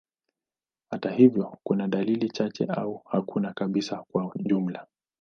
Hata hivyo, kuna dalili chache au hakuna kabisa kwa ujumla.